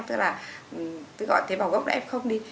tức là tôi gọi tế bào gốc đấy f đi